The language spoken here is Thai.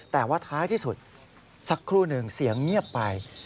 แต่ว่าท้ายที่สุดสักครู่หนึ่งเสียงเงียบไป